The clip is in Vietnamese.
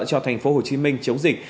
cho thành phố hồ chí minh chống dịch